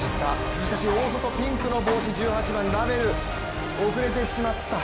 しかし大外、ピンクの帽子１８番、ラヴェル、遅れてしまった。